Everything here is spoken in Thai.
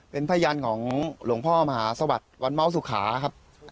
เป็นพยานของหลวงพ่อมหาสวัสดิ์วันเมาสุขาครับ